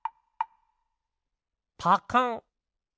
パカン。